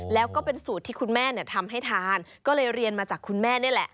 แล้วก็เป็นสูตรที่คุณแม่ทำให้ทานก็เลยเรียนมาจากคุณแม่นี่แหละ